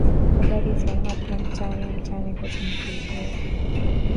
habari za hapo mtaani mtaani kote ni kuzuri